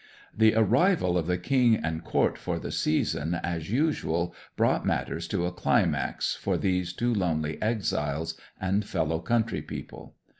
'The arrival of the King and Court for the season as usual brought matters to a climax for these two lonely exiles and fellow country people.